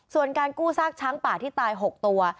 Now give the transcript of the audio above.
ส่วนการกู้ซากช้างป่าที่ตาย๖ตัว